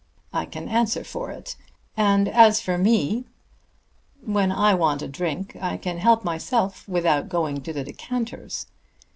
I can answer for it; and as for me, when I want a drink I can help myself without going to the decanters."